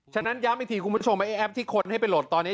ฉะนั้นย้ำอีกทีคุณผู้ชมไอ้แอปที่คนให้ไปโหลดตอนนี้